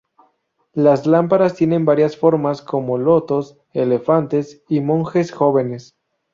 Las lámparas tienen varias formas como lotos, elefantes y monjes jóvenes.